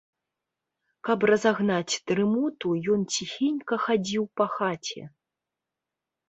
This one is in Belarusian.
Каб разагнаць дрымоту, ён ціхенька хадзіў па хаце.